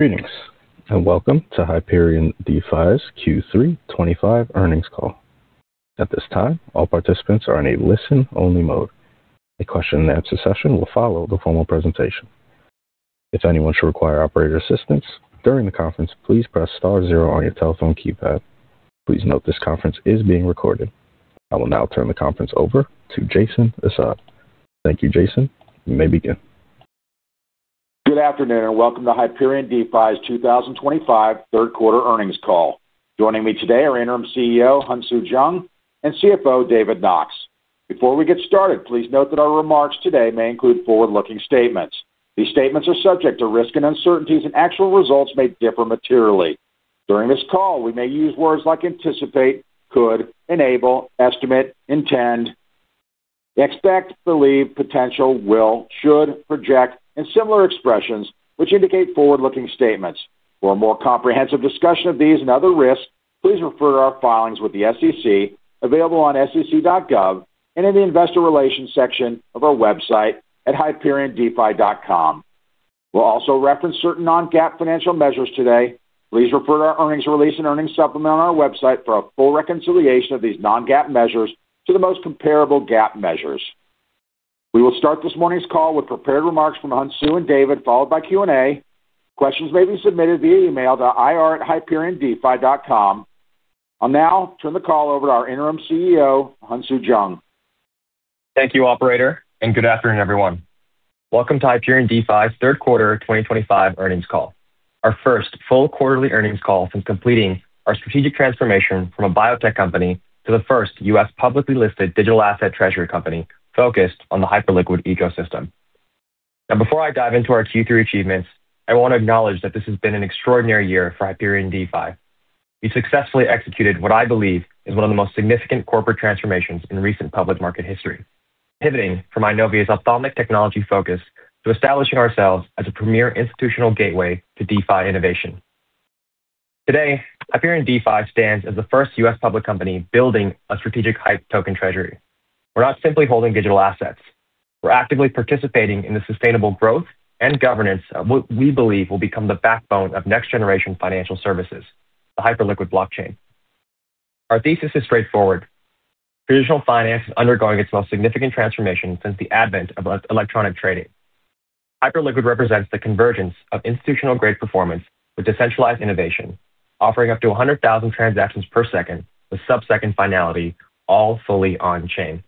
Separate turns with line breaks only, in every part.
Greetings and welcome to Hyperion DeFi's Q3 2025 earnings call. At this time, all participants are in a listen-only mode. A question-and-answer session will follow the formal presentation. If anyone should require operator assistance during the conference, please press star zero on your telephone keypad. Please note this conference is being recorded. I will now turn the conference over to Jason Assad. Thank you, Jason. You may begin.
Good afternoon and welcome to Hyperion DeFi's 2025 third quarter earnings call. Joining me today are Interim CEO, Hyunsu Jung, and CFO, David Knox. Before we get started, please note that our remarks today may include forward-looking statements. These statements are subject to risk and uncertainties, and actual results may differ materially. During this call, we may use words like anticipate, could, enable, estimate, intend, expect, believe, potential, will, should, project, and similar expressions, which indicate forward-looking statements. For a more comprehensive discussion of these and other risks, please refer to our filings with the SEC available on sec.gov and in the investor relations section of our website at hyperiondefi.com. We'll also reference certain non-GAAP financial measures today. Please refer to our earnings release and earnings supplement on our website for a full reconciliation of these non-GAAP measures to the most comparable GAAP measures. We will start this morning's call with prepared remarks from Hyunsu and David, followed by Q&A. Questions may be submitted via email to ir@hyperiondefi.com. I'll now turn the call over to our Interim CEO, Hyunsu Jung.
Thank you, Operator, and good afternoon, everyone. Welcome to Hyperion DeFi's third quarter 2025 earnings call, our first full quarterly earnings call since completing our strategic transformation from a biotech company to the first U.S. publicly listed digital asset treasury company focused on the Hyperliquid ecosystem. Now, before I dive into our Q3 achievements, I want to acknowledge that this has been an extraordinary year for Hyperion DeFi. We successfully executed what I believe is one of the most significant corporate transformations in recent public market history, pivoting from Eyenovia's ophthalmic technology focus to establishing ourselves as a premier institutional gateway to DeFi innovation. Today, Hyperion DeFi stands as the first U.S. public company building a strategic HYPE token treasury. We're not simply holding digital assets. We're actively participating in the sustainable growth and governance of what we believe will become the backbone of next-generation financial services, the Hyperliquid blockchain. Our thesis is straightforward: traditional finance is undergoing its most significant transformation since the advent of electronic trading. Hyperliquid represents the convergence of institutional-grade performance with decentralized innovation, offering up to 100,000 transactions per second with sub-second finality, all fully on-chain.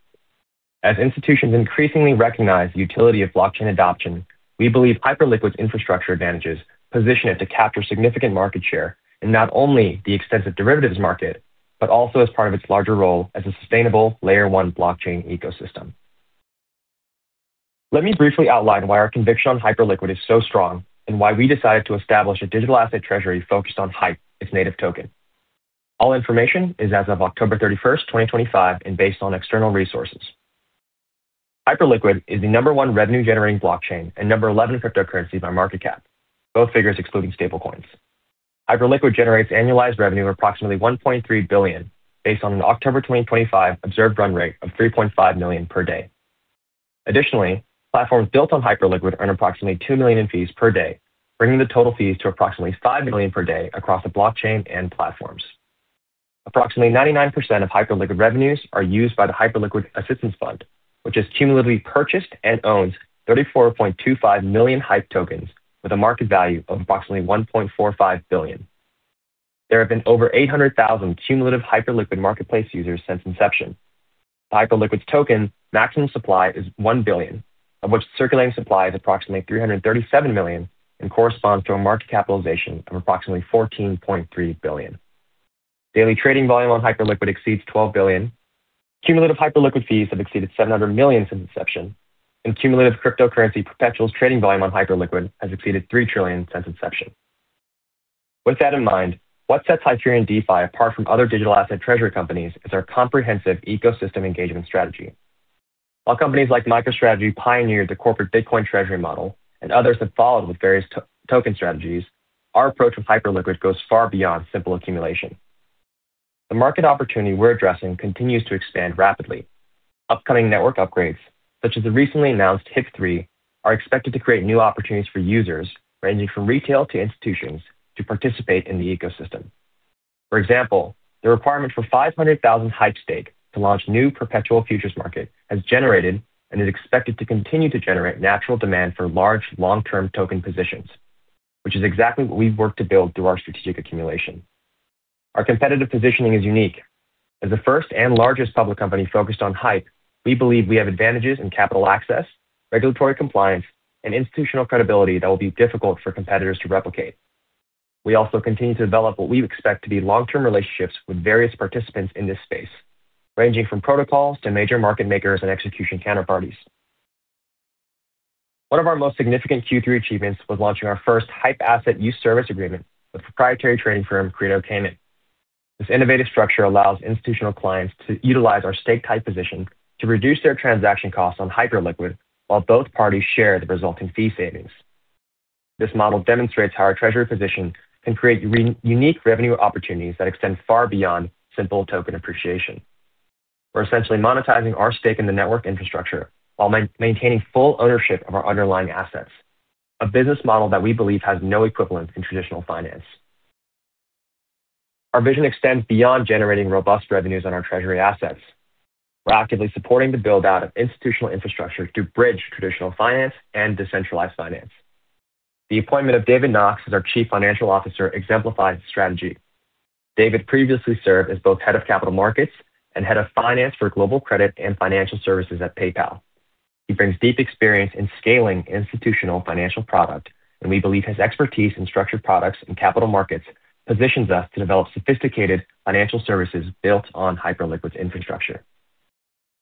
As institutions increasingly recognize the utility of blockchain adoption, we believe Hyperliquid's infrastructure advantages position it to capture significant market share in not only the extensive derivatives market but also as part of its larger role as a sustainable layer one blockchain ecosystem. Let me briefly outline why our conviction on Hyperliquid is so strong and why we decided to establish a digital asset treasury focused on HYPE, its native token. All information is as of October 31, 2025, and based on external resources. Hyperliquid is the number one revenue-generating blockchain and number 11 cryptocurrency by market cap, both figures excluding stablecoins. Hyperliquid generates annualized revenue of approximately $1.3 billion based on an October 2025 observed run rate of $3.5 million per day. Additionally, platforms built on Hyperliquid earn approximately $2 million in fees per day, bringing the total fees to approximately $5 million per day across the blockchain and platforms. Approximately 99% of Hyperliquid revenues are used by the Hyperliquid Assistance Fund, which has cumulatively purchased and owns 34.25 million HYPE tokens with a market value of approximately $1.45 billion. There have been over 800,000 cumulative Hyperliquid marketplace users since inception. The Hyperliquid's token maximum supply is 1 billion, of which circulating supply is approximately 337 million and corresponds to a market capitalization of approximately $14.3 billion. Daily trading volume on Hyperliquid exceeds $12 billion. Cumulative Hyperliquid fees have exceeded $700 million since inception, and cumulative cryptocurrency perpetuals trading volume on Hyperliquid has exceeded $3 trillion since inception. With that in mind, what sets Hyperion DeFi apart from other digital asset treasury companies is our comprehensive ecosystem engagement strategy. While companies like MicroStrategy pioneered the corporate Bitcoin treasury model and others have followed with various token strategies, our approach with Hyperliquid goes far beyond simple accumulation. The market opportunity we're addressing continues to expand rapidly. Upcoming network upgrades, such as the recently announced HIP-3, are expected to create new opportunities for users ranging from retail to institutions to participate in the ecosystem. For example, the requirement for 500,000 HYPE stake to launch new perpetual futures market has generated and is expected to continue to generate natural demand for large long-term token positions, which is exactly what we've worked to build through our strategic accumulation. Our competitive positioning is unique. As the first and largest public company focused on HYPE, we believe we have advantages in capital access, regulatory compliance, and institutional credibility that will be difficult for competitors to replicate. We also continue to develop what we expect to be long-term relationships with various participants in this space, ranging from protocols to major market makers and execution counterparties. One of our most significant Q3 achievements was launching our first HYPE asset use service agreement with proprietary trading firm Credo Cayman. This innovative structure allows institutional clients to utilize our stake-type position to reduce their transaction costs on Hyperliquid while both parties share the resulting fee savings. This model demonstrates how our treasury position can create unique revenue opportunities that extend far beyond simple token appreciation. We're essentially monetizing our stake in the network infrastructure while maintaining full ownership of our underlying assets, a business model that we believe has no equivalent in traditional finance. Our vision extends beyond generating robust revenues on our treasury assets. We're actively supporting the build-out of institutional infrastructure to bridge traditional finance and decentralized finance. The appointment of David Knox as our Chief Financial Officer exemplifies the strategy. David previously served as both Head of Capital Markets and Head of Finance for Global Credit and Financial Services at PayPal. He brings deep experience in scaling institutional financial product, and we believe his expertise in structured products and capital markets positions us to develop sophisticated financial services built on Hyperliquid's infrastructure.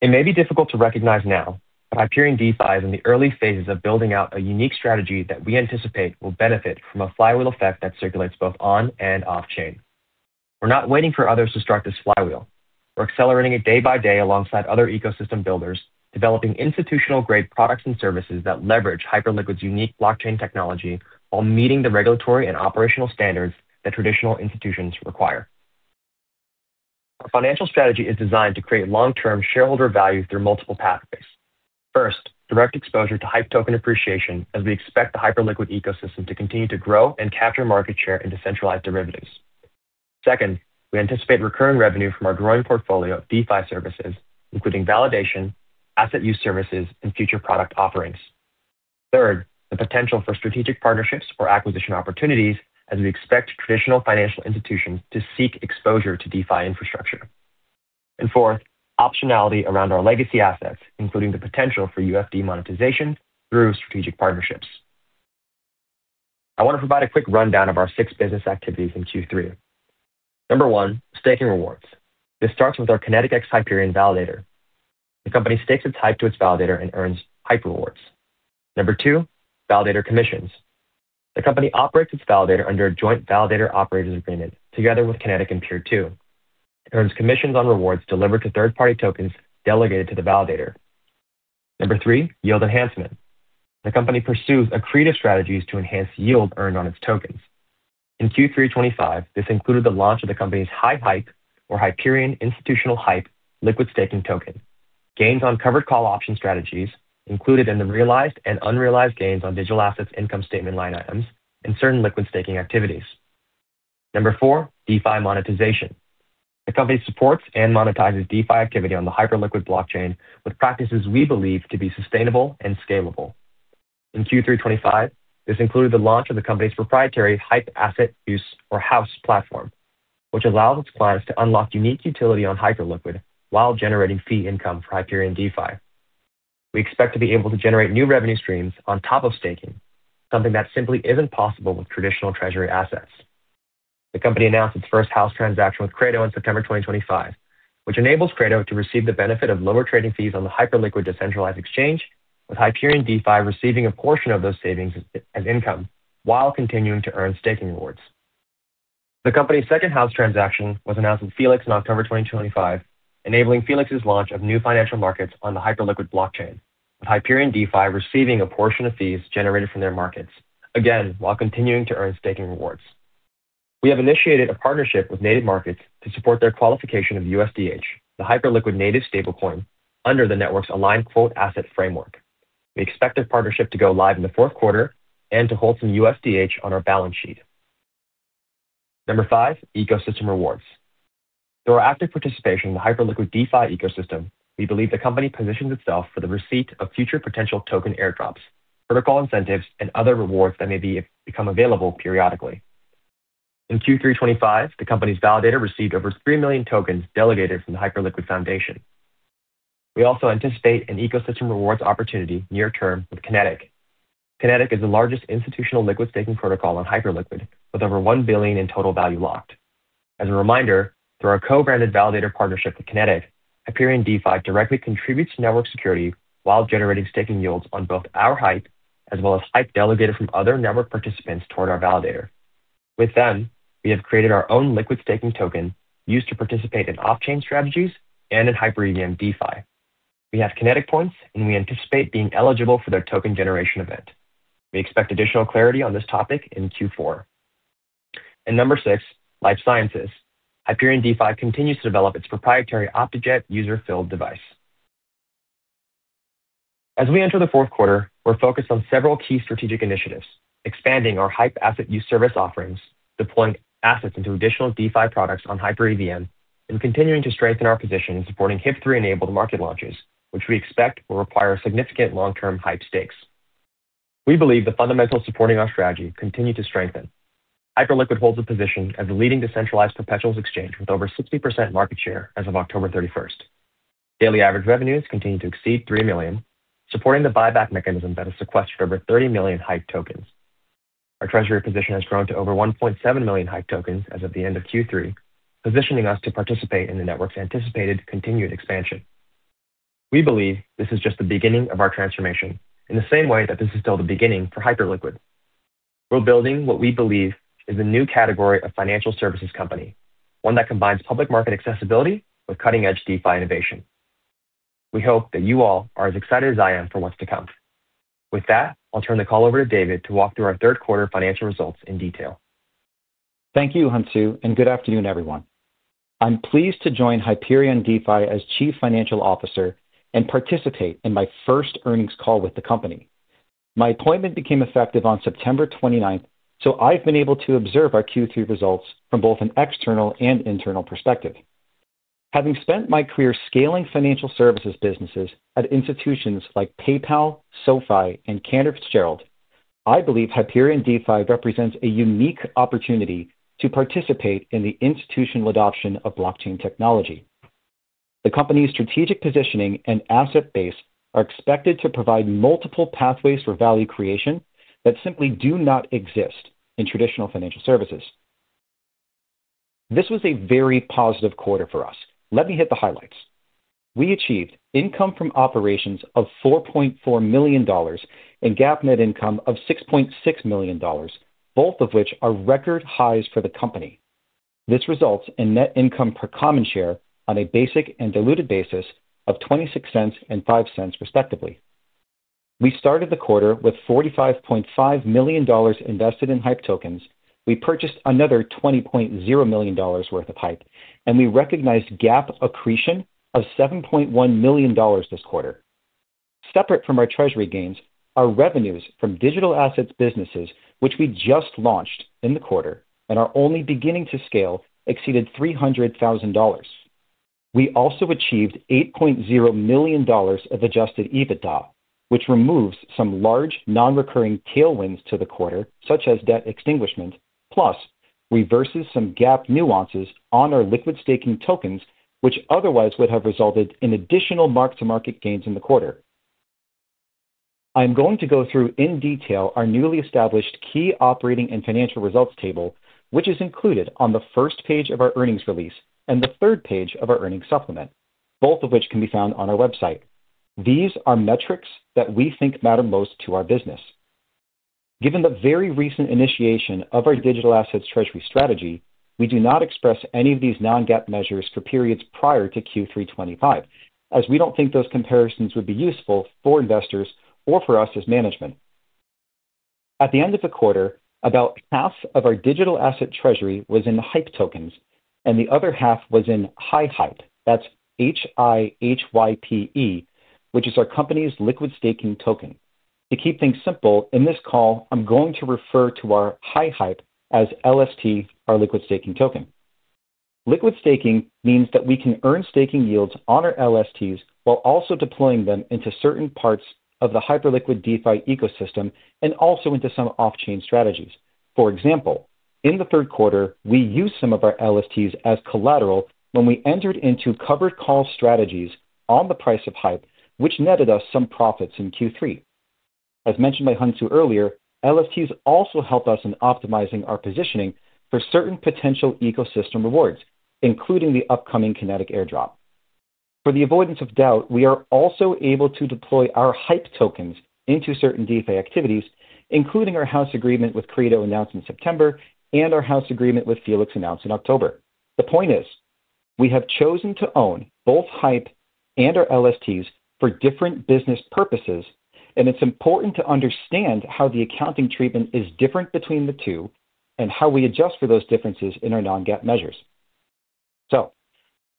It may be difficult to recognize now, but Hyperion DeFi is in the early phases of building out a unique strategy that we anticipate will benefit from a flywheel effect that circulates both on and off-chain. We're not waiting for others to start this flywheel. We're accelerating it day by day alongside other ecosystem builders, developing institutional-grade products and services that leverage Hyperliquid's unique blockchain technology while meeting the regulatory and operational standards that traditional institutions require. Our financial strategy is designed to create long-term shareholder value through multiple pathways. First, direct exposure to HYPE token appreciation as we expect the Hyperliquid ecosystem to continue to grow and capture market share in decentralized derivatives. Second, we anticipate recurring revenue from our growing portfolio of DeFi services, including validation, asset use services, and future product offerings. Third, the potential for strategic partnerships or acquisition opportunities as we expect traditional financial institutions to seek exposure to DeFi infrastructure. Fourth, optionality around our legacy assets, including the potential for UFD monetization through strategic partnerships. I want to provide a quick rundown of our six business activities in Q3. Number one, staking rewards. This starts with our Kinetic x Hyperion validator. The company stakes its HYPE to its validator and earns HYPE rewards. Number two, validator commissions. The company operates its validator under a joint validator-operators agreement together with Kinetic in Pier 2. It earns commissions on rewards delivered to third-party tokens delegated to the validator. Number three, yield enhancement. The company pursues accretive strategies to enhance yield earned on its tokens. In Q3 2025, this included the launch of the company's HYPE HYPE, or Hyperion Institutional HYPE Liquid Staking Token, gains on covered call option strategies included in the realized and unrealized gains on digital assets income statement line items and certain liquid staking activities. Number four, DeFi monetization. The company supports and monetizes DeFi activity on the Hyperliquid blockchain with practices we believe to be sustainable and scalable. In Q3 2025, this included the launch of the company's proprietary HYPE Asset Use, or HAUS, platform, which allows its clients to unlock unique utility on Hyperliquid while generating fee income for Hyperion DeFi. We expect to be able to generate new revenue streams on top of staking, something that simply is not possible with traditional treasury assets. The company announced its first HAUS transaction with Credo in September 2025, which enables Credo to receive the benefit of lower trading fees on the Hyperliquid decentralized exchange, with Hyperion DeFi receiving a portion of those savings as income while continuing to earn staking rewards. The company's second HAUS transaction was announced with Felix in October 2025, enabling Felix's launch of new financial markets on the Hyperliquid blockchain, with Hyperion DeFi receiving a portion of fees generated from their markets, again while continuing to earn staking rewards. We have initiated a partnership with Native Markets to support their qualification of USDH, the Hyperliquid native stablecoin under the network's aligned quote asset framework. We expect the partnership to go live in the fourth quarter and to hold some USDH on our balance sheet. Number five, ecosystem rewards. Through our active participation in the Hyperliquid DeFi ecosystem, we believe the company positions itself for the receipt of future potential token airdrops, protocol incentives, and other rewards that may become available periodically. In Q3 2025, the company's validator received over 3 million tokens delegated from the Hyperliquid Foundation. We also anticipate an ecosystem rewards opportunity near-term with Kinetic. Kinetic is the largest institutional liquid staking protocol on Hyperliquid, with over $1 billion in total value locked. As a reminder, through our co-branded validator partnership with Kinetic, Hyperion DeFi directly contributes to network security while generating staking yields on both our HYPE as well as HYPE delegated from other network participants toward our validator. With them, we have created our own liquid staking token used to participate in off-chain strategies and in Hyperion DeFi. We have Kinetic points, and we anticipate being eligible for their token generation event. We expect additional clarity on this topic in Q4. Number six, life sciences. Hyperion DeFi continues to develop its proprietary OptiJet user-filled device. As we enter the fourth quarter, we're focused on several key strategic initiatives, expanding our HYPE asset use service offerings, deploying assets into additional DeFi products on HyperEVM, and continuing to strengthen our position in supporting HIP-3-enabled market launches, which we expect will require significant long-term HYPE stakes. We believe the fundamentals supporting our strategy continue to strengthen. Hyperliquid holds a position as the leading decentralized perpetuals exchange with over 60% market share as of October 31. Daily average revenues continue to exceed $3 million, supporting the buyback mechanism that has sequestered over 30 million HYPE tokens. Our treasury position has grown to over 1.7 million HYPE tokens as of the end of Q3, positioning us to participate in the network's anticipated continued expansion. We believe this is just the beginning of our transformation in the same way that this is still the beginning for Hyperliquid. We're building what we believe is the new category of financial services company, one that combines public market accessibility with cutting-edge DeFi innovation. We hope that you all are as excited as I am for what's to come. With that, I'll turn the call over to David to walk through our third quarter financial results in detail.
Thank you, Hyunsu, and good afternoon, everyone. I'm pleased to join Hyperion DeFi as Chief Financial Officer and participate in my first earnings call with the company. My appointment became effective on September 29, so I've been able to observe our Q3 results from both an external and internal perspective. Having spent my career scaling financial services businesses at institutions like PayPal, SoFi, and Cantor Fitzgerald, I believe Hyperion DeFi represents a unique opportunity to participate in the institutional adoption of blockchain technology. The company's strategic positioning and asset base are expected to provide multiple pathways for value creation that simply do not exist in traditional financial services. This was a very positive quarter for us. Let me hit the highlights. We achieved income from operations of $4.4 million and GAAP net income of $6.6 million, both of which are record highs for the company. This results in net income per common share on a basic and diluted basis of $0.26 and $0.05, respectively. We started the quarter with $45.5 million invested in HYPE tokens. We purchased another $20.0 million worth of HYPE, and we recognized GAAP accretion of $7.1 million this quarter. Separate from our treasury gains, our revenues from digital assets businesses, which we just launched in the quarter and are only beginning to scale, exceeded $300,000. We also achieved $8.0 million of adjusted EBITDA, which removes some large non-recurring tailwinds to the quarter, such as debt extinguishment, plus reverses some GAAP nuances on our liquid staking tokens, which otherwise would have resulted in additional mark-to-market gains in the quarter. I'm going to go through in detail our newly established key operating and financial results table, which is included on the first page of our earnings release and the third page of our earnings supplement, both of which can be found on our website. These are metrics that we think matter most to our business. Given the very recent initiation of our digital assets treasury strategy, we do not express any of these non-GAAP measures for periods prior to Q3 2025, as we do not think those comparisons would be useful for investors or for us as management. At the end of the quarter, about half of our digital asset treasury was in HYPE tokens, and the other half was in HIHYPE. That is H-I-H-Y-P-E, which is our company's liquid staking token. To keep things simple, in this call, I am going to refer to our HIHYPE as LST, our liquid staking token. Liquid staking means that we can earn staking yields on our LSTs while also deploying them into certain parts of the Hyperliquid DeFi ecosystem and also into some off-chain strategies. For example, in the third quarter, we used some of our LSTs as collateral when we entered into covered call strategies on the price of HYPE, which netted us some profits in Q3. As mentioned by Hyunsu earlier, LSTs also helped us in optimizing our positioning for certain potential ecosystem rewards, including the upcoming Kinetic airdrop. For the avoidance of doubt, we are also able to deploy our HYPE tokens into certain DeFi activities, including our HAUS agreement with Credo announced in September and our HAUS agreement with Felix announced in October. The point is, we have chosen to own both HYPE and our LSTs for different business purposes, and it's important to understand how the accounting treatment is different between the two and how we adjust for those differences in our non-GAAP measures.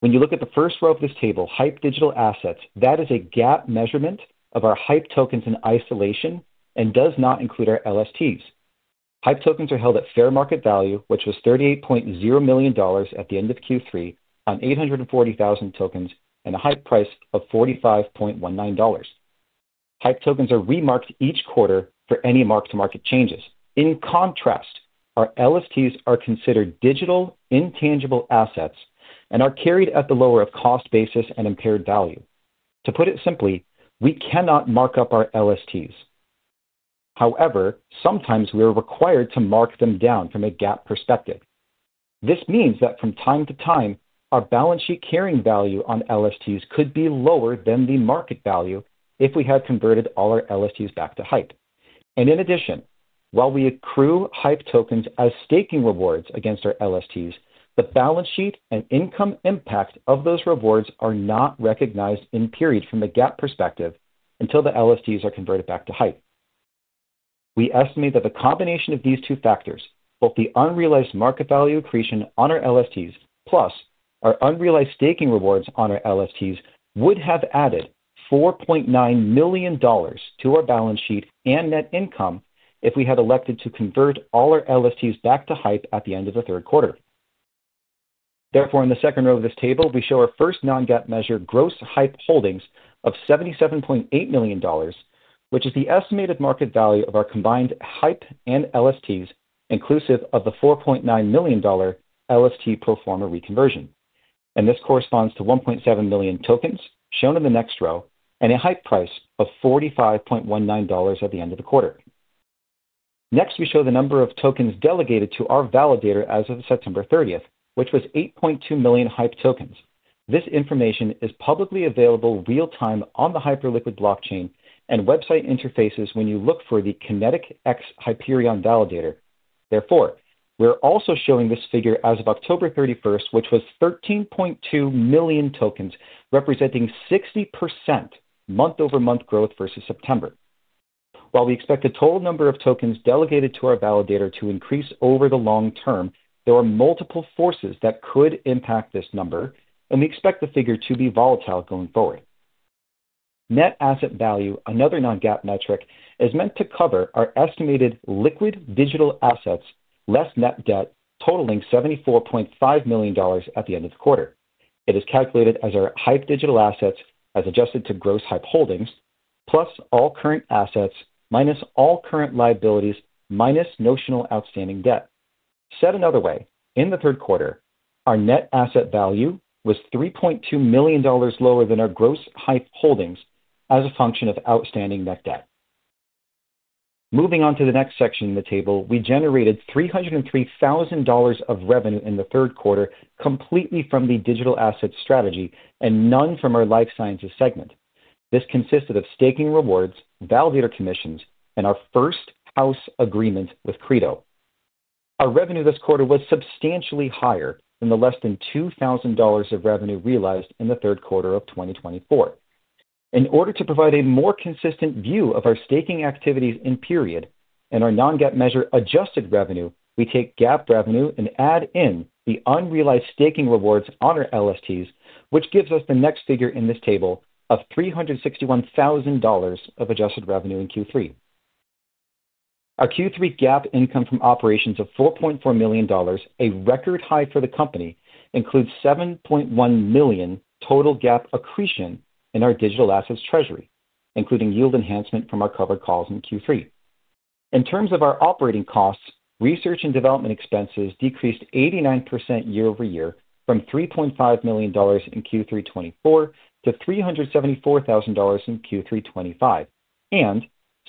When you look at the first row of this table, HYPE digital assets, that is a GAAP measurement of our HYPE tokens in isolation and does not include our LSTs. HYPE tokens are held at fair market value, which was $38.0 million at the end of Q3 on 840,000 tokens and a HYPE price of $45.19. HYPE tokens are remarked each quarter for any mark-to-market changes. In contrast, our LSTs are considered digital intangible assets and are carried at the lower of cost basis and impaired value. To put it simply, we cannot mark up our LSTs. However, sometimes we are required to mark them down from a GAAP perspective. This means that from time to time, our balance sheet carrying value on LSTs could be lower than the market value if we had converted all our LSTs back to HYPE. In addition, while we accrue HYPE tokens as staking rewards against our LSTs, the balance sheet and income impact of those rewards are not recognized in period from the GAAP perspective until the LSTs are converted back to HYPE. We estimate that the combination of these two factors, both the unrealized market value accretion on our LSTs plus our unrealized staking rewards on our LSTs, would have added $4.9 million to our balance sheet and net income if we had elected to convert all our LSTs back to HYPE at the end of the third quarter. Therefore, in the second row of this table, we show our first non-GAAP measure, gross HYPE holdings of $77.8 million, which is the estimated market value of our combined HYPE and LSTs, inclusive of the $4.9 million LST pro forma reconversion. This corresponds to 1.7 million tokens shown in the next row and a HYPE price of $45.19 at the end of the quarter. Next, we show the number of tokens delegated to our validator as of September 30, which was 8.2 million HYPE tokens. This information is publicly available real-time on the Hyperliquid blockchain and website interfaces when you look for the Kinetic x Hyperion validator. Therefore, we are also showing this figure as of October 31, which was 13.2 million tokens, representing 60% month-over-month growth versus September. While we expect the total number of tokens delegated to our validator to increase over the long term, there are multiple forces that could impact this number, and we expect the figure to be volatile going forward. Net asset value, another non-GAAP metric, is meant to cover our estimated liquid digital assets less net debt totaling $74.5 million at the end of the quarter. It is calculated as our HYPE digital assets as adjusted to gross HYPE holdings plus all current assets minus all current liabilities minus notional outstanding debt. Said another way, in the third quarter, our net asset value was $3.2 million lower than our gross HYPE holdings as a function of outstanding net debt. Moving on to the next section in the table, we generated $303,000 of revenue in the third quarter completely from the digital assets strategy and none from our life sciences segment. This consisted of staking rewards, validator commissions, and our first HAUS agreement with Credo. Our revenue this quarter was substantially higher than the less than $2,000 of revenue realized in the third quarter of 2024. In order to provide a more consistent view of our staking activities in period and our non-GAAP measure adjusted revenue, we take GAAP revenue and add in the unrealized staking rewards on our LSTs, which gives us the next figure in this table of $361,000 of adjusted revenue in Q3. Our Q3 GAAP income from operations of $4.4 million, a record high for the company, includes $7.1 million total GAAP accretion in our digital assets treasury, including yield enhancement from our covered calls in Q3. In terms of our operating costs, research and development expenses decreased 89% year over year from $3.5 million in Q3 2024 to $374,000 in Q3 2025, and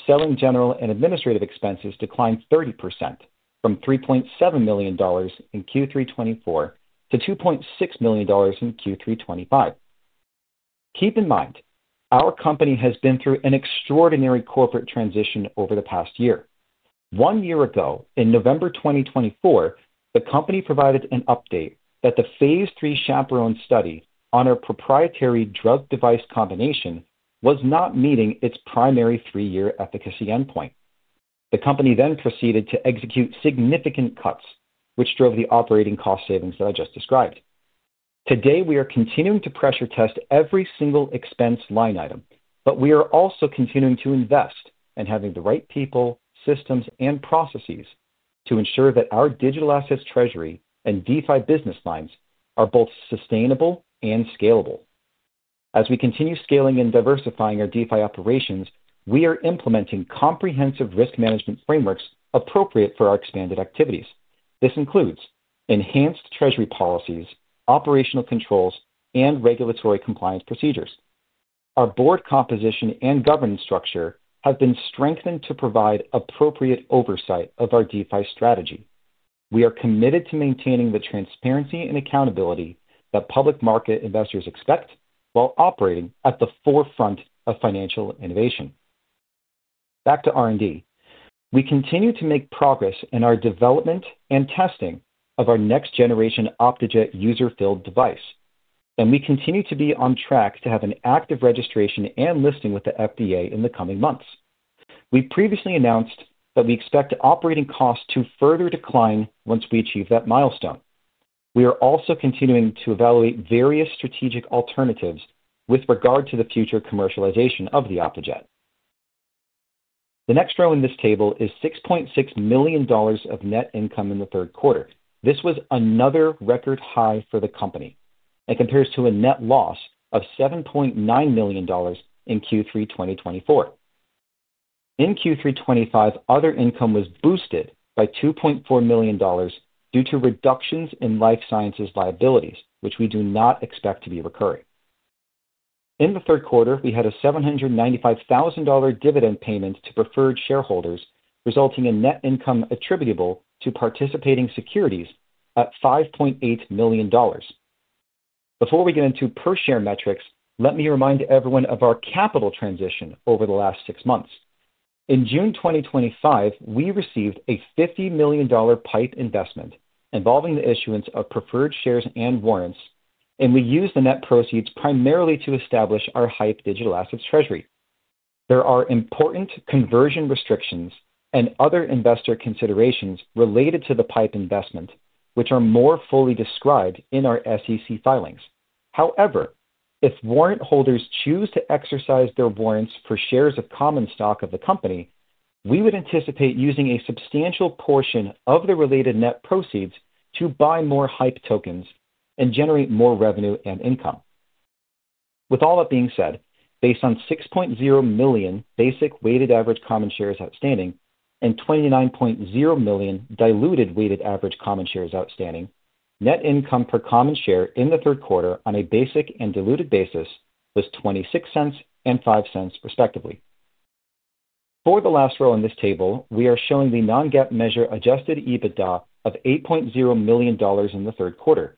selling, general, and administrative expenses declined 30% from $3.7 million in Q3 2024 to $2.6 million in Q3 2025. Keep in mind, our company has been through an extraordinary corporate transition over the past year. One year ago, in November 2024, the company provided an update that the phase III CHAPERONE study on our proprietary drug device combination was not meeting its primary three-year efficacy endpoint. The company then proceeded to execute significant cuts, which drove the operating cost savings that I just described. Today, we are continuing to pressure test every single expense line item, but we are also continuing to invest in having the right people, systems, and processes to ensure that our digital assets treasury and DeFi business lines are both sustainable and scalable. As we continue scaling and diversifying our DeFi operations, we are implementing comprehensive risk management frameworks appropriate for our expanded activities. This includes enhanced treasury policies, operational controls, and regulatory compliance procedures. Our board composition and governance structure have been strengthened to provide appropriate oversight of our DeFi strategy. We are committed to maintaining the transparency and accountability that public market investors expect while operating at the forefront of financial innovation. Back to R&D. We continue to make progress in our development and testing of our next-generation OptiJet user-filled device, and we continue to be on track to have an active registration and listing with the FDA in the coming months. We previously announced that we expect operating costs to further decline once we achieve that milestone. We are also continuing to evaluate various strategic alternatives with regard to the future commercialization of the OptiJet. The next row in this table is $6.6 million of net income in the third quarter. This was another record high for the company and compares to a net loss of $7.9 million in Q3 2024. In Q3 2025, other income was boosted by $2.4 million due to reductions in life sciences liabilities, which we do not expect to be recurring. In the third quarter, we had a $795,000 dividend payment to preferred shareholders, resulting in net income attributable to participating securities at $5.8 million. Before we get into per-share metrics, let me remind everyone of our capital transition over the last six months. In June 2025, we received a $50 million PIPE investment involving the issuance of preferred shares and warrants, and we used the net proceeds primarily to establish our HYPE digital assets treasury. There are important conversion restrictions and other investor considerations related to the PIPE investment, which are more fully described in our SEC filings. However, if warrant holders choose to exercise their warrants for shares of common stock of the company, we would anticipate using a substantial portion of the related net proceeds to buy more HYPE tokens and generate more revenue and income. With all that being said, based on 6.0 million basic weighted average common shares outstanding and 29.0 million diluted weighted average common shares outstanding, net income per common share in the third quarter on a basic and diluted basis was $0.26 and $0.05 respectively. For the last row in this table, we are showing the non-GAAP measure adjusted EBITDA of $8.0 million in the third quarter.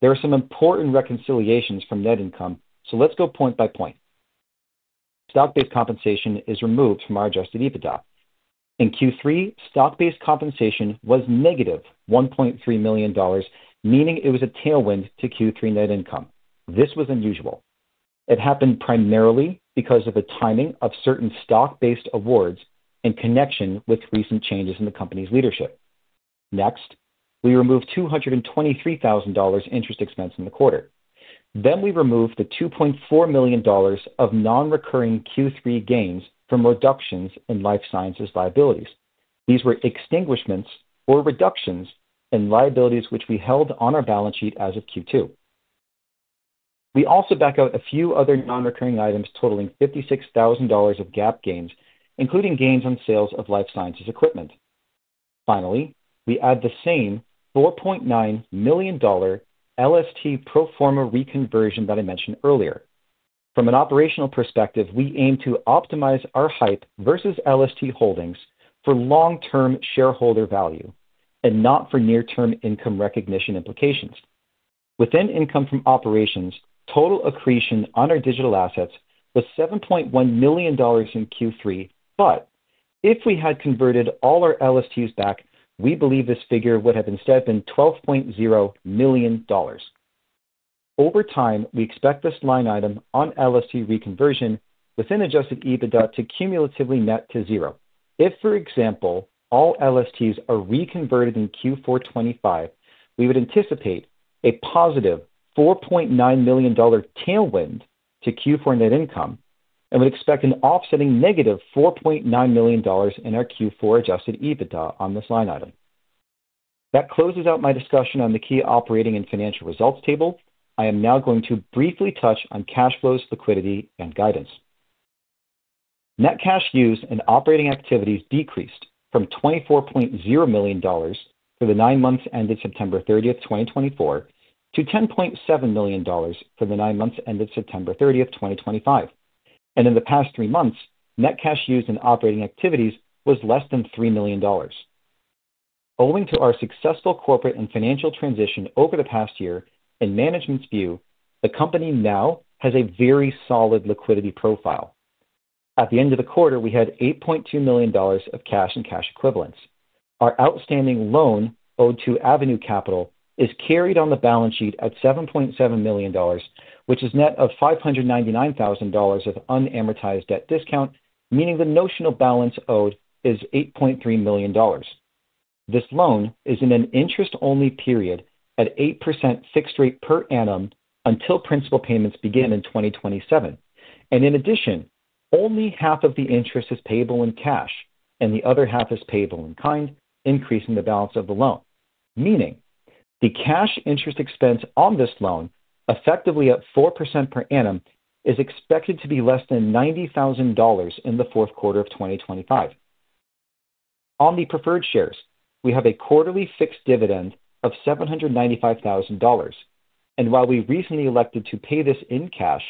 There are some important reconciliations from net income, so let's go point by point. Stock-based compensation is removed from our adjusted EBITDA. In Q3, stock-based compensation was negative $1.3 million, meaning it was a tailwind to Q3 net income. This was unusual. It happened primarily because of the timing of certain stock-based awards in connection with recent changes in the company's leadership. Next, we removed $223,000 in interest expense in the quarter. We removed the $2.4 million of non-recurring Q3 gains from reductions in life sciences liabilities. These were extinguishments or reductions in liabilities which we held on our balance sheet as of Q2. We also back out a few other non-recurring items totaling $56,000 of GAAP gains, including gains on sales of life sciences equipment. Finally, we add the same $4.9 million LST proforma reconversion that I mentioned earlier. From an operational perspective, we aim to optimize our HYPE versus LST holdings for long-term shareholder value and not for near-term income recognition implications. Within income from operations, total accretion on our digital assets was $7.1 million in Q3, but if we had converted all our LSTs back, we believe this figure would have instead been $12.0 million. Over time, we expect this line item on LST reconversion within adjusted EBITDA to cumulatively net to zero. If, for example, all LSTs are reconverted in Q4 2025, we would anticipate a positive $4.9 million tailwind to Q4 net income and would expect an offsetting negative $4.9 million in our Q4 adjusted EBITDA on this line item. That closes out my discussion on the key operating and financial results table. I am now going to briefly touch on cash flows, liquidity, and guidance. Net cash used in operating activities decreased from $24.0 million for the nine months ended September 30, 2024, to $10.7 million for the nine months ended September 30, 2025. In the past three months, net cash used in operating activities was less than $3 million. Owing to our successful corporate and financial transition over the past year, in management's view, the company now has a very solid liquidity profile. At the end of the quarter, we had $8.2 million of cash and cash equivalents. Our outstanding loan owed to Avenue Capital is carried on the balance sheet at $7.7 million, which is net of $599,000 of unamortized debt discount, meaning the notional balance owed is $8.3 million. This loan is in an interest-only period at 8% fixed rate per annum until principal payments begin in 2027. In addition, only half of the interest is payable in cash, and the other half is payable in kind, increasing the balance of the loan. Meaning, the cash interest expense on this loan, effectively at 4% per annum, is expected to be less than $90,000 in the fourth quarter of 2025. On the preferred shares, we have a quarterly fixed dividend of $795,000. While we recently elected to pay this in cash,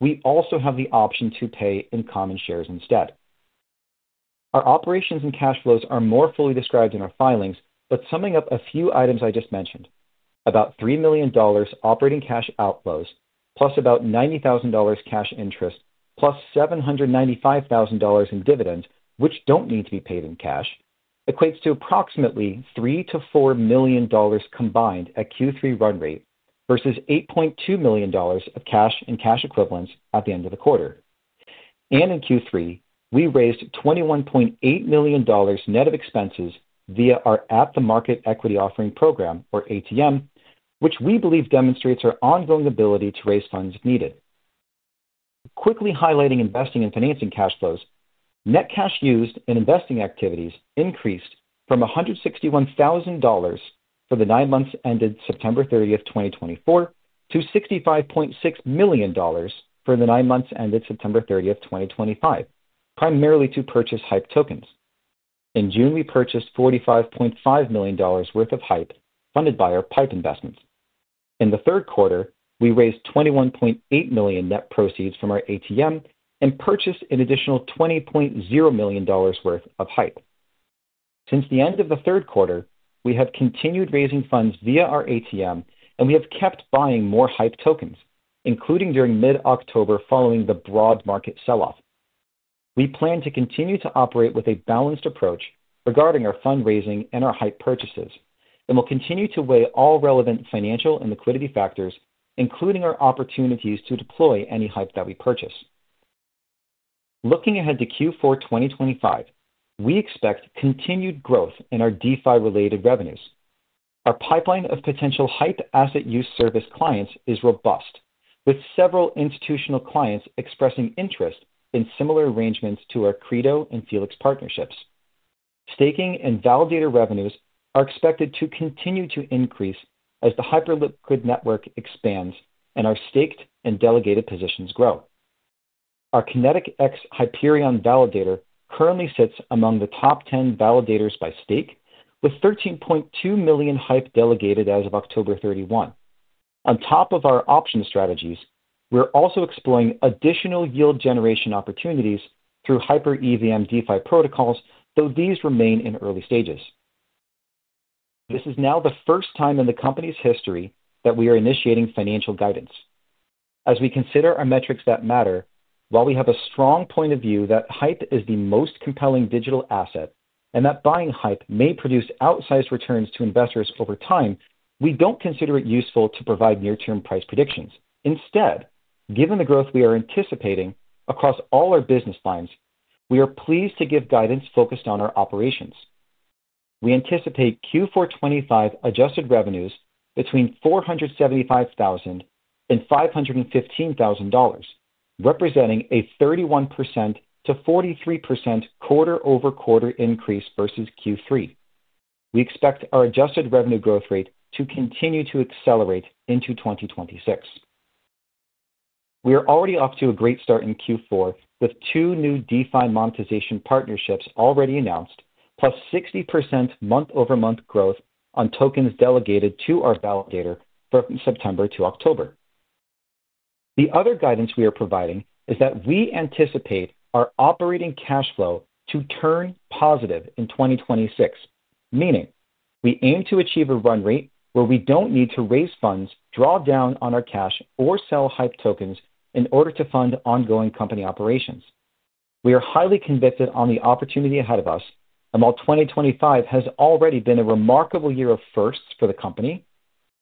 we also have the option to pay in common shares instead. Our operations and cash flows are more fully described in our filings, but summing up a few items I just mentioned, about $3 million operating cash outflows plus about $90,000 cash interest plus $795,000 in dividends, which do not need to be paid in cash, equates to approximately $3 million-$4 million combined at Q3 run rate versus $8.2 million of cash and cash equivalents at the end of the quarter. In Q3, we raised $21.8 million net of expenses via our At the Market Equity Offering Program, or ATM, which we believe demonstrates our ongoing ability to raise funds if needed. Quickly highlighting investing and financing cash flows, net cash used in investing activities increased from $161,000 for the nine months ended September 30, 2024, to $65.6 million for the nine months ended September 30, 2025, primarily to purchase HYPE tokens. In June, we purchased $45.5 million worth of HYPE funded by our PIPE investments. In the third quarter, we raised $21.8 million net proceeds from our ATM and purchased an additional $20.0 million worth of HYPE. Since the end of the third quarter, we have continued raising funds via our ATM, and we have kept buying more HYPE tokens, including during mid-October following the broad market selloff. We plan to continue to operate with a balanced approach regarding our fundraising and our HYPE purchases, and we'll continue to weigh all relevant financial and liquidity factors, including our opportunities to deploy any HYPE that we purchase. Looking ahead to Q4 2025, we expect continued growth in our DeFi-related revenues. Our pipeline of potential HYPE asset use service clients is robust, with several institutional clients expressing interest in similar arrangements to our Credo and Felix partnerships. Staking and validator revenues are expected to continue to increase as the Hyperliquid network expands and our staked and delegated positions grow. Our Kinetic x Hyperion Validator currently sits among the top 10 validators by stake, with 13.2 million HYPE delegated as of October 31. On top of our option strategies, we're also exploring additional yield generation opportunities through HyperEVM DeFi protocols, though these remain in early stages. This is now the first time in the company's history that we are initiating financial guidance. As we consider our metrics that matter, while we have a strong point of view that HYPE is the most compelling digital asset and that buying HYPE may produce outsized returns to investors over time, we do not consider it useful to provide near-term price predictions. Instead, given the growth we are anticipating across all our business lines, we are pleased to give guidance focused on our operations. We anticipate Q4 2025 adjusted revenues between $475,000-$515,000, representing a 31%-43% quarter-over-quarter increase versus Q3. We expect our adjusted revenue growth rate to continue to accelerate into 2026. We are already off to a great start in Q4 with two new DeFi monetization partnerships already announced, plus 60% month-over-month growth on tokens delegated to our validator from September to October. The other guidance we are providing is that we anticipate our operating cash flow to turn positive in 2026, meaning we aim to achieve a run rate where we do not need to raise funds, draw down on our cash, or sell HYPE tokens in order to fund ongoing company operations. We are highly convicted on the opportunity ahead of us, and while 2025 has already been a remarkable year of firsts for the company,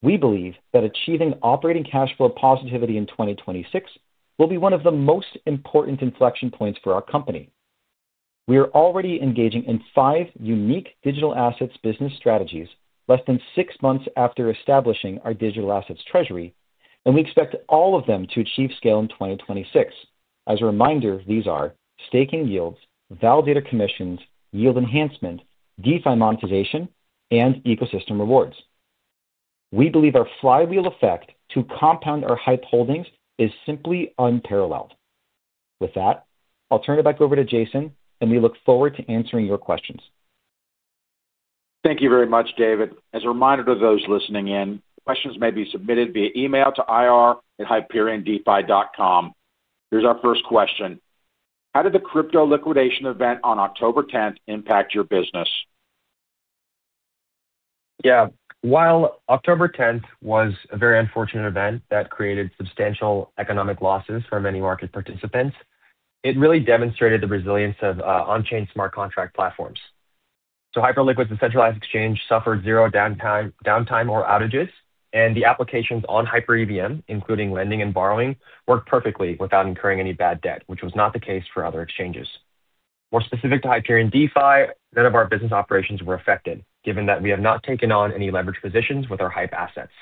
we believe that achieving operating cash flow positivity in 2026 will be one of the most important inflection points for our company. We are already engaging in five unique digital assets business strategies less than six months after establishing our digital assets treasury, and we expect all of them to achieve scale in 2026. As a reminder, these are staking yields, validator commissions, yield enhancement, DeFi monetization, and ecosystem rewards. We believe our flywheel effect to compound our HYPE holdings is simply unparalleled. With that, I'll turn it back over to Jason, and we look forward to answering your questions.
Thank you very much, David. As a reminder to those listening in, questions may be submitted via email to ir@hyperiondefi.com. Here's our first question. How did the crypto liquidation event on October 10th impact your business?
Yeah. While October 10th was a very unfortunate event that created substantial economic losses for many market participants, it really demonstrated the resilience of on-chain smart contract platforms. Hyperliquid's decentralized exchange suffered zero downtime or outages, and the applications on HyperEVM, including lending and borrowing, worked perfectly without incurring any bad debt, which was not the case for other exchanges. More specific to Hyperion DeFi, none of our business operations were affected, given that we have not taken on any leverage positions with our HYPE assets.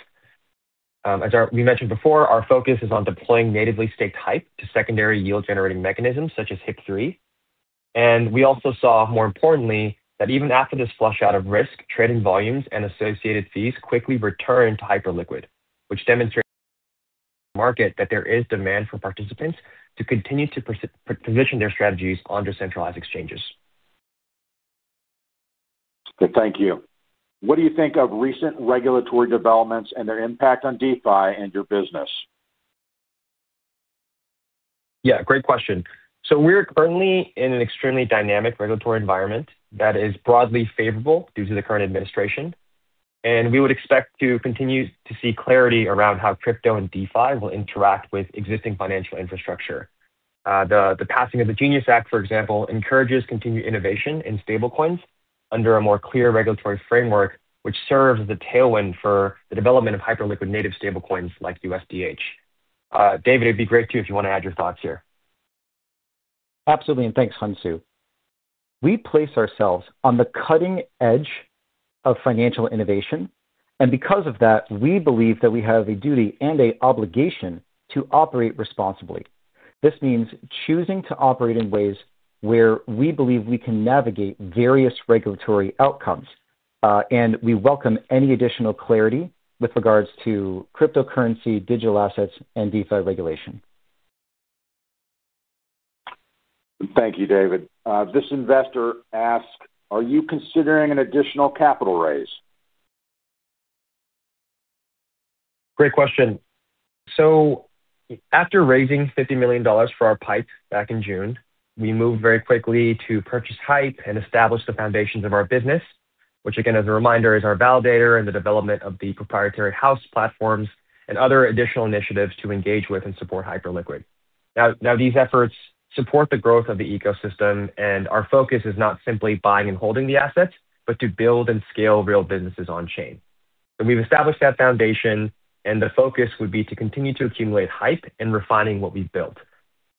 As we mentioned before, our focus is on deploying natively staked HYPE to secondary yield-generating mechanisms such as HIP-3. We also saw, more importantly, that even after this flush out of risk, trading volumes and associated fees quickly returned to Hyperliquid, which demonstrates to the market that there is demand for participants to continue to position their strategies on decentralized exchanges.
Thank you. What do you think of recent regulatory developments and their impact on DeFi and your business?
Yeah, great question. We are currently in an extremely dynamic regulatory environment that is broadly favorable due to the current administration, and we would expect to continue to see clarity around how crypto and DeFi will interact with existing financial infrastructure. The passing of the Genius Act, for example, encourages continued innovation in stablecoins under a more clear regulatory framework, which serves as a tailwind for the development of Hyperliquid native stablecoins like USDH. David, it'd be great too if you want to add your thoughts here.
Absolutely, and thanks, Hyunsu. We place ourselves on the cutting edge of financial innovation, and because of that, we believe that we have a duty and an obligation to operate responsibly. This means choosing to operate in ways where we believe we can navigate various regulatory outcomes, and we welcome any additional clarity with regards to cryptocurrency, digital assets, and DeFi regulation.
Thank you, David. This investor asked, are you considering an additional capital raise?
Great question. After raising $50 million for our PIPE back in June, we moved very quickly to purchase HYPE and establish the foundations of our business, which, again, as a reminder, is our validator and the development of the proprietary HAUS platforms and other additional initiatives to engage with and support Hyperliquid. These efforts support the growth of the ecosystem, and our focus is not simply buying and holding the assets, but to build and scale real businesses on-chain. We have established that foundation, and the focus would be to continue to accumulate HYPE and refining what we have built.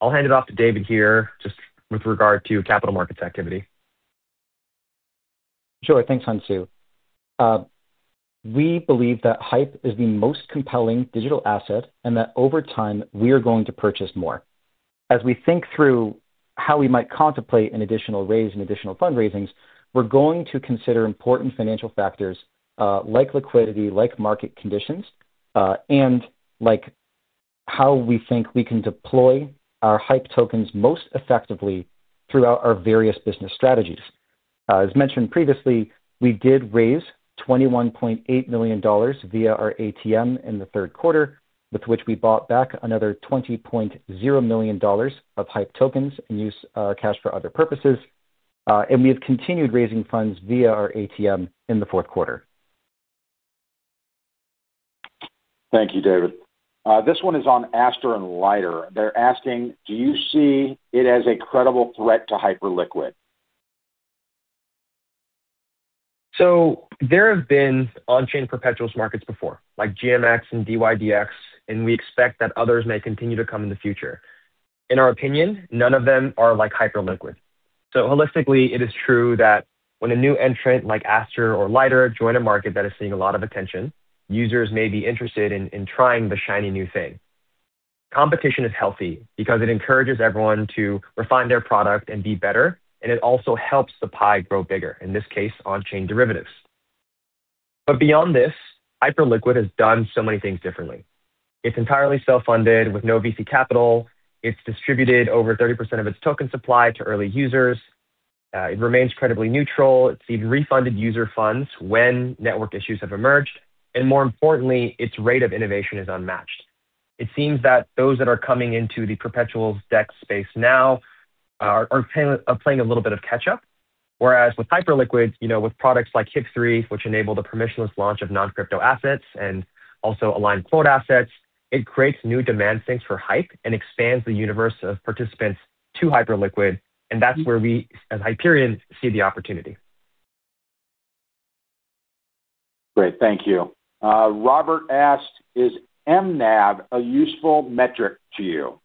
I will hand it off to David here just with regard to capital markets activity.
Sure, thanks, Hyunsu. We believe that HYPE is the most compelling digital asset and that over time we are going to purchase more. As we think through how we might contemplate an additional raise and additional fundraisings, we're going to consider important financial factors like liquidity, like market conditions, and like how we think we can deploy our HYPE tokens most effectively throughout our various business strategies. As mentioned previously, we did raise $21.8 million via our ATM in the third quarter, with which we bought back another $20.0 million of HYPE tokens and used cash for other purposes. We have continued raising funds via our ATM in the fourth quarter.
Thank you, David. This one is on Aster and Lighter. They're asking, do you see it as a credible threat to Hyperliquid?
There have been on-chain perpetuals markets before, like GMX and DYDX, and we expect that others may continue to come in the future. In our opinion, none of them are like Hyperliquid. Holistically, it is true that when a new entrant like Aster or Lighter join a market that is seeing a lot of attention, users may be interested in trying the shiny new thing. Competition is healthy because it encourages everyone to refine their product and be better, and it also helps the pie grow bigger, in this case, on-chain derivatives. Beyond this, Hyperliquid has done so many things differently. It is entirely self-funded with no VC capital. It has distributed over 30% of its token supply to early users. It remains credibly neutral. It has even refunded user funds when network issues have emerged. More importantly, its rate of innovation is unmatched. It seems that those that are coming into the perpetuals deck space now are playing a little bit of catch-up, whereas with Hyperliquid, with products like HIP-3, which enable the permissionless launch of non-crypto assets and also aligned float assets, it creates new demand sinks for HYPE and expands the universe of participants to Hyperliquid. That is where we, as Hyperion, see the opportunity.
Great, thank you. Robert asked, is mNAV a useful metric to you?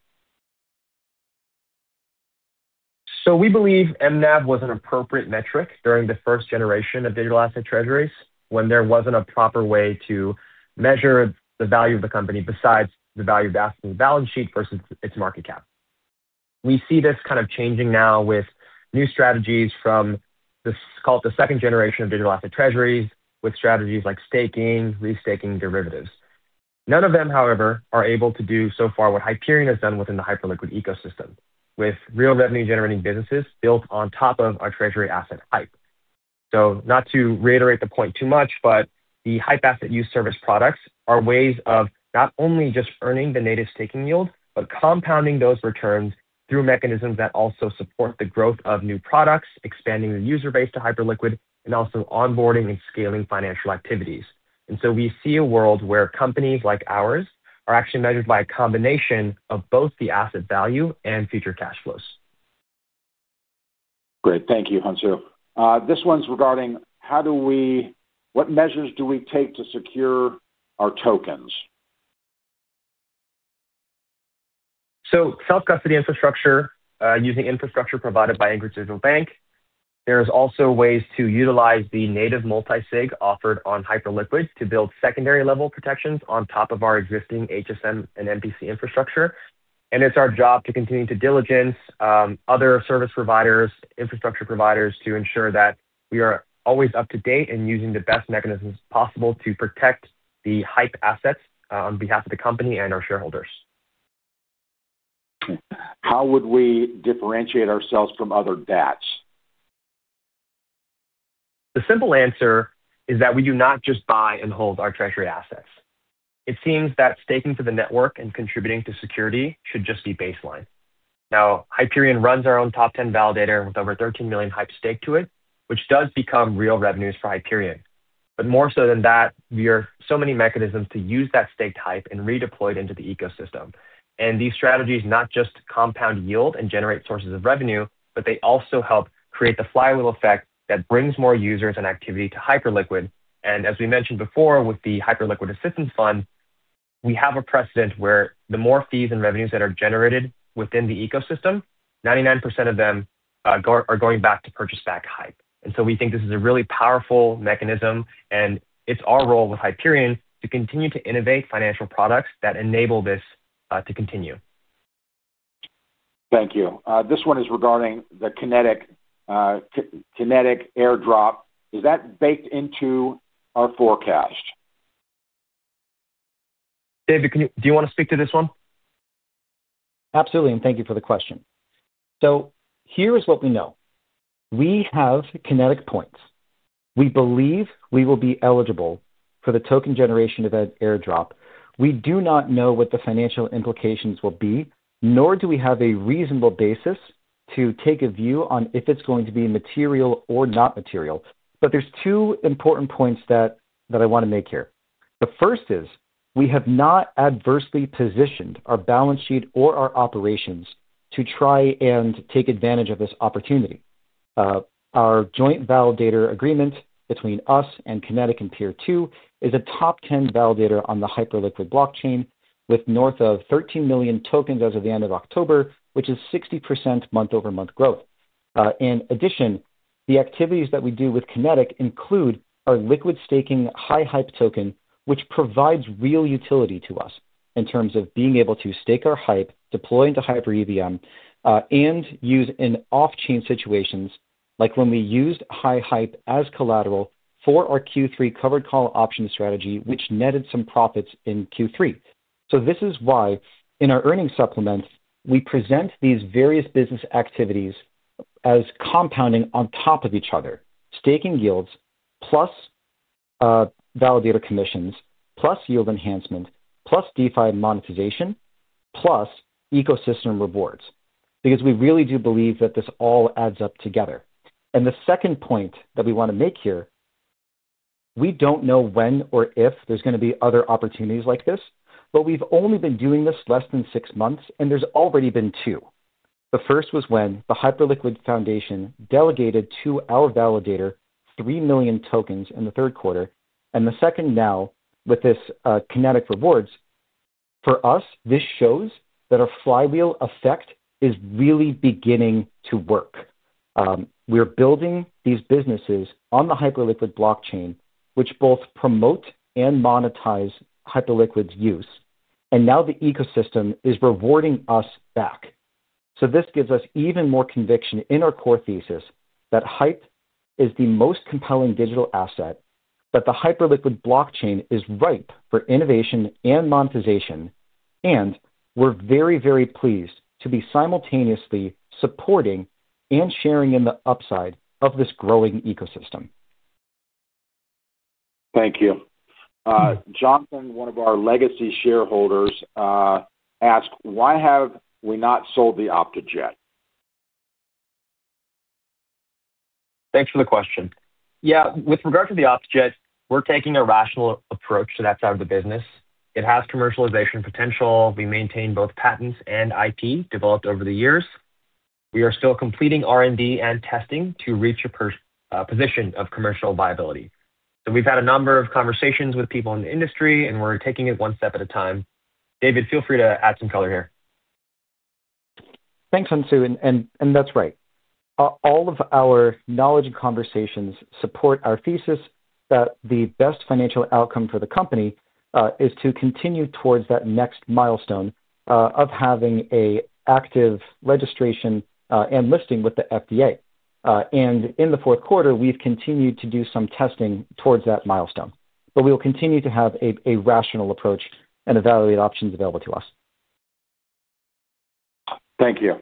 We believe mNAV was an appropriate metric during the first generation of digital asset treasuries when there was not a proper way to measure the value of the company besides the value of the asset and the balance sheet versus its market cap. We see this kind of changing now with new strategies from the second generation of digital asset treasuries with strategies like staking, restaking derivatives. None of them, however, are able to do so far what Hyperion has done within the Hyperliquid ecosystem, with real revenue-generating businesses built on top of our treasury asset HYPE. Not to reiterate the point too much, but the HYPE asset use service products are ways of not only just earning the native staking yield, but compounding those returns through mechanisms that also support the growth of new products, expanding the user base to Hyperliquid, and also onboarding and scaling financial activities. We see a world where companies like ours are actually measured by a combination of both the asset value and future cash flows.
Great, thank you, Hyunsu. This one's regarding how do we, what measures do we take to secure our tokens?
Self-custody infrastructure using infrastructure provided by Ingrid Digital Bank. There are also ways to utilize the native multi-sig offered on Hyperliquid to build secondary level protections on top of our existing HSM and MPC infrastructure. It is our job to continue due diligence, other service providers, infrastructure providers, to ensure that we are always up to date and using the best mechanisms possible to protect the HYPE assets on behalf of the company and our shareholders.
How would we differentiate ourselves from other DATs?
The simple answer is that we do not just buy and hold our treasury assets. It seems that staking for the network and contributing to security should just be baseline. Now, Hyperion runs our own top 10 validator with over 13 million HYPE staked to it, which does become real revenues for Hyperion. More so than that, there are so many mechanisms to use that staked HYPE and redeploy it into the ecosystem. These strategies not just compound yield and generate sources of revenue, but they also help create the flywheel effect that brings more users and activity to Hyperliquid. As we mentioned before with the Hyperliquid Assistance Fund, we have a precedent where the more fees and revenues that are generated within the ecosystem, 99% of them are going back to purchase back HYPE. We think this is a really powerful mechanism, and it is our role with Hyperion to continue to innovate financial products that enable this to continue.
Thank you. This one is regarding the Kinetic Airdrop. Is that baked into our forecast?
David, do you want to speak to this one?
Absolutely, and thank you for the question. Here is what we know. We have Kinetic points. We believe we will be eligible for the token generation event airdrop. We do not know what the financial implications will be, nor do we have a reasonable basis to take a view on if it's going to be material or not material. There are two important points that I want to make here. The first is we have not adversely positioned our balance sheet or our operations to try and take advantage of this opportunity. Our joint validator agreement between us and Kinetic and Peer2 is a top 10 validator on the Hyperliquid blockchain, with north of 13 million tokens as of the end of October, which is 60% month-over-month growth. In addition, the activities that we do with Kinetic include our liquid staking HIHYPE token, which provides real utility to us in terms of being able to stake our HYPE, deploy into HyperEVM, and use in off-chain situations like when we used HIHYPE as collateral for our Q3 covered call option strategy, which netted some profits in Q3. This is why in our earnings supplement, we present these various business activities as compounding on top of each other: staking yields plus validator commissions plus yield enhancement plus DeFi monetization plus ecosystem rewards, because we really do believe that this all adds up together. The second point that we want to make here, we do not know when or if there is going to be other opportunities like this, but we have only been doing this less than six months, and there have already been two. The first was when the Hyperliquid Foundation delegated to our validator 3 million tokens in the third quarter, and the second now with this Kinetic rewards. For us, this shows that our flywheel effect is really beginning to work. We're building these businesses on the Hyperliquid blockchain, which both promote and monetize Hyperliquid's use, and now the ecosystem is rewarding us back. This gives us even more conviction in our core thesis that HYPE is the most compelling digital asset, that the Hyperliquid blockchain is ripe for innovation and monetization, and we're very, very pleased to be simultaneously supporting and sharing in the upside of this growing ecosystem.
Thank you. Jonathan, one of our legacy shareholders, asked, why have we not sold the OptiJet?
Thanks for the question. Yeah, with regard to the OptiJet, we're taking a rational approach to that side of the business. It has commercialization potential. We maintain both patents and IP developed over the years. We are still completing R&D and testing to reach a position of commercial viability. We have had a number of conversations with people in the industry, and we are taking it one step at a time. David, feel free to add some color here.
Thanks, Hyunsu, and that is right. All of our knowledge and conversations support our thesis that the best financial outcome for the company is to continue towards that next milestone of having an active registration and listing with the FDA. In the fourth quarter, we have continued to do some testing towards that milestone, but we will continue to have a rational approach and evaluate options available to us.
Thank you.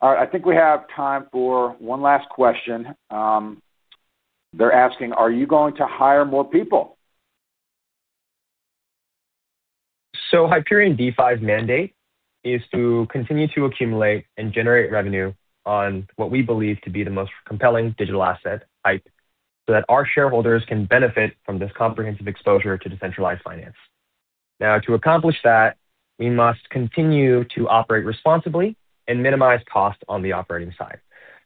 All right, I think we have time for one last question. They are asking, are you going to hire more people?
Hyperion DeFi's mandate is to continue to accumulate and generate revenue on what we believe to be the most compelling digital asset, HYPE, so that our shareholders can benefit from this comprehensive exposure to decentralized finance. To accomplish that, we must continue to operate responsibly and minimize cost on the operating side.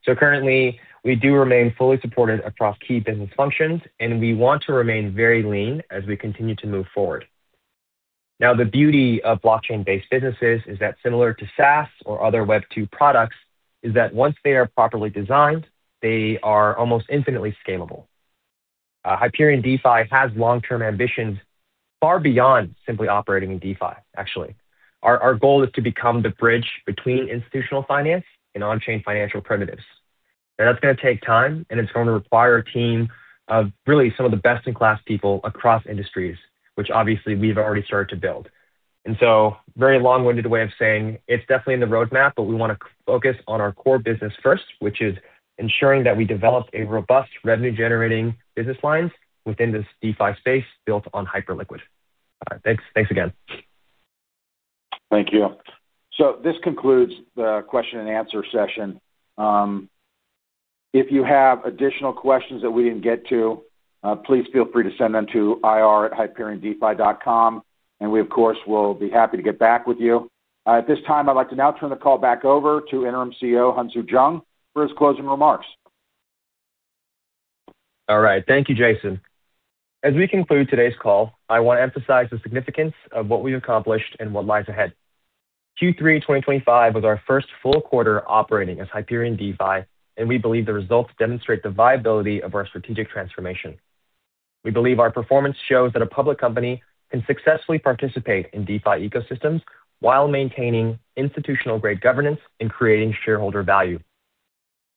Currently, we do remain fully supported across key business functions, and we want to remain very lean as we continue to move forward. The beauty of blockchain-based businesses is that, similar to SaaS or other Web2 products, once they are properly designed, they are almost infinitely scalable. Hyperion DeFi has long-term ambitions far beyond simply operating in DeFi, actually. Our goal is to become the bridge between institutional finance and on-chain financial primitives. Now, that's going to take time, and it's going to require a team of really some of the best-in-class people across industries, which obviously we've already started to build. Very long-winded way of saying, it's definitely in the roadmap, but we want to focus on our core business first, which is ensuring that we develop a robust revenue-generating business line within this DeFi space built on Hyperliquid. Thanks again.
Thank you. This concludes the question and answer session. If you have additional questions that we didn't get to, please feel free to send them to ir@hyperiondefi.com, and we, of course, will be happy to get back with you. At this time, I'd like to now turn the call back over to Interim CEO Hyunsu Jung for his closing remarks.
All right, thank you, Jason. As we conclude today's call, I want to emphasize the significance of what we've accomplished and what lies ahead. Q3 2025 was our first full quarter operating as Hyperion DeFi, and we believe the results demonstrate the viability of our strategic transformation. We believe our performance shows that a public company can successfully participate in DeFi ecosystems while maintaining institutional-grade governance and creating shareholder value.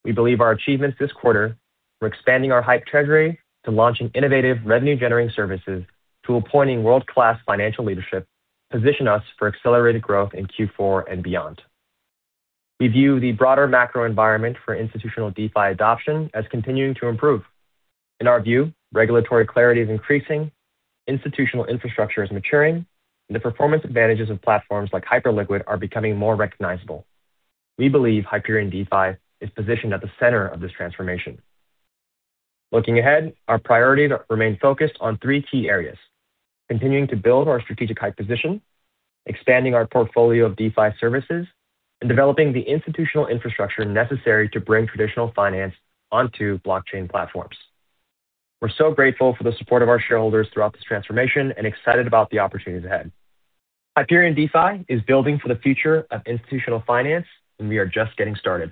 We believe our achievements this quarter for expanding our HYPE treasury to launching innovative revenue-generating services to appointing world-class financial leadership position us for accelerated growth in Q4 and beyond. We view the broader macro environment for institutional DeFi adoption as continuing to improve. In our view, regulatory clarity is increasing, institutional infrastructure is maturing, and the performance advantages of platforms like Hyperliquid are becoming more recognizable. We believe Hyperion DeFi is positioned at the center of this transformation. Looking ahead, our priorities remain focused on three key areas: continuing to build our strategic HYPE position, expanding our portfolio of DeFi services, and developing the institutional infrastructure necessary to bring traditional finance onto blockchain platforms. We're so grateful for the support of our shareholders throughout this transformation and excited about the opportunities ahead. Hyperion DeFi is building for the future of institutional finance, and we are just getting started.